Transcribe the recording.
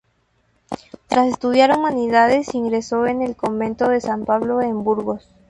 Tras estudiar humanidades ingresó en el Convento de San Pablo en Burgos.